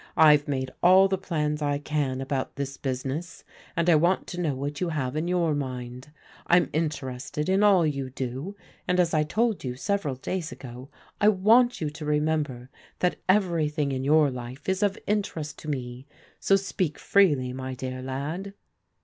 I've made all the plans I can about this business, and I want to know what you have in your mind. I'm intertsted m ^ ^om 130 PRODIGAL DAUGHTERS do, and as I told you several days ago, I want you to re« member that everything in your life is of interest to me» So speak freely, my dear lad."